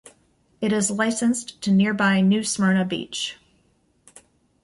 It is licensed to nearby New Smyrna Beach.